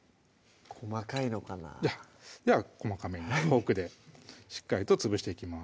細かいのかなでは細かめにフォークでしっかりと潰していきます